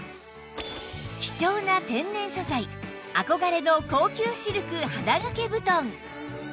貴重な天然素材憧れの高級シルク肌掛け布団